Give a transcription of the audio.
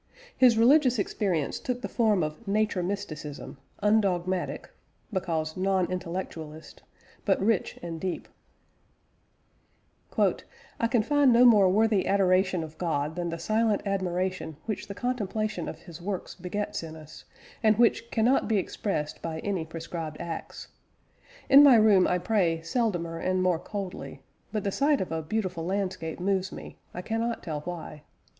His religious experience took the form of nature mysticism, undogmatic (because non intellectualist), but rich and deep: "I can find no more worthy adoration of God than the silent admiration which the contemplation of His works begets in us, and which cannot be expressed by any prescribed acts.... In my room I pray seldomer and more coldly; but the sight of a beautiful landscape moves me, I cannot tell why.